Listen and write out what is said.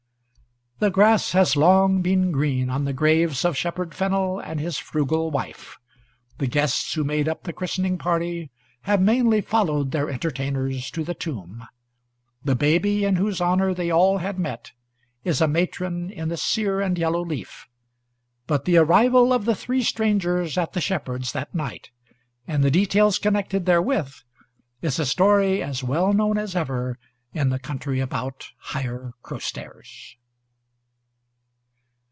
The grass has long been green on the graves of Shepherd Fennel and his frugal wife; the guests who made up the christening party have mainly followed their entertainers to the tomb; the baby in whose honour they all had met is a matron in the sear and yellow leaf; but the arrival of the three strangers at the shepherd's that night, and the details connected therewith, is a story as well known as ever in the country about Higher Crowstairs.